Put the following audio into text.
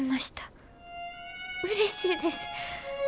うれしいです。